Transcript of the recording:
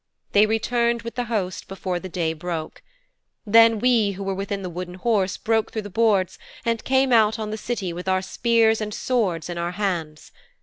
They returned with the host before the day broke. Then we who were within the Wooden Horse broke through the boards and came out on the City with our spears and swords in our hands.